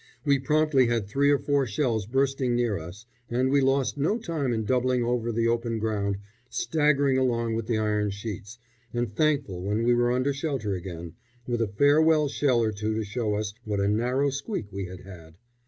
We promptly had three or four shells bursting near us, and we lost no time in doubling over the open ground, staggering along with the iron sheets, and thankful when we were under shelter again, with a farewell shell or two to show us what a narrow squeak we had had.